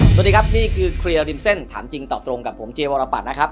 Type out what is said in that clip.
สวัสดีครับนี่คือเคลียร์ริมเส้นถามจริงตอบตรงกับผมเจวรปัตรนะครับ